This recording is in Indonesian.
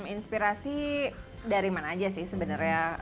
inspirasi dari mana aja sih sebenarnya